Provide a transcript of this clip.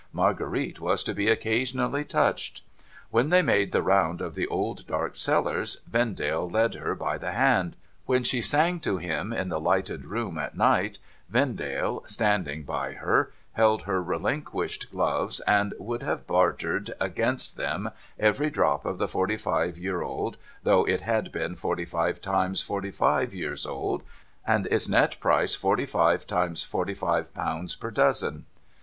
Marguerite was to be occasionally touched. When they made the round of the old dark cellars, Vendale led her by the hand ; when she sang to him in the lighted room at night, Vendale, standing by her, held her relinquished gloves, and would have bartered against them every drop of the forty five year old, though it had been forty five times forty five years old, and its nett price forty five times forty five pounds per dozen.